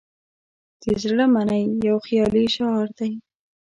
"د زړه منئ" یو خیالي شعار دی.